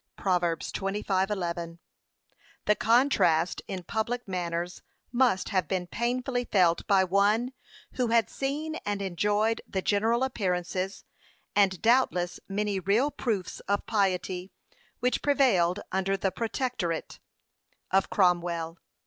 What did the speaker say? (Prov. 25:11) The contrast in public manners must have been painfully felt by one, who had seen and enjoyed the general appearances, and doubtless many real proofs of piety, which prevailed under the protectorate of Cromwell.